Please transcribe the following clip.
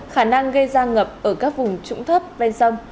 khả năng gây ra ngập ở các vùng trũng thấp ven sông